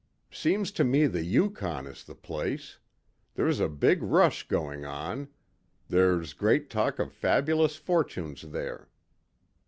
"Seems to me the Yukon is the place. There's a big rush going on. There's great talk of fabulous fortunes there."